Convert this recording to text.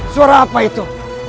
suara apa itu